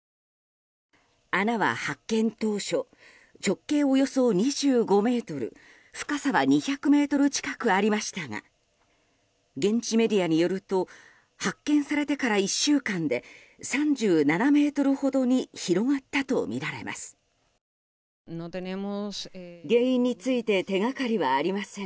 穴は発見当初、直径およそ２５ｍ深さは２００ｍ近くありましたが現地メディアによると発見されてから１週間で３７ｍほどに広がったとみられます。